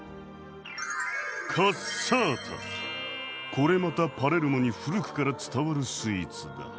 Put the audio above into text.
これまたパレルモに古くから伝わるスイーツだ。